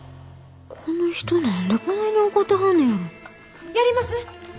この人何でこないに怒ってはんねやろやります。